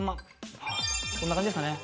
こんな感じですかね。